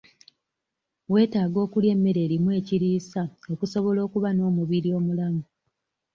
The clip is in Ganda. Weetaaga okulya emmere erimu ekiriisa okusobola okuba n'omubiri omulamu.